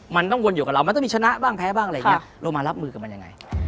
มันต้องวนอยู่กับเรามันต้องมีชนะบ้างแพ้บ้างอะไรอย่างนี้เรามารับมือกับมันยังไง